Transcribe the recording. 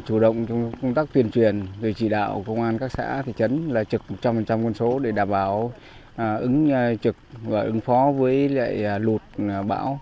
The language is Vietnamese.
chủ động công tác tuyên truyền chỉ đạo công an các xã thị trấn trực một trăm linh quân số để đảm bảo ứng phó với lụt bão